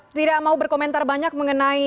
tidak mau berkomentar banyak mengenai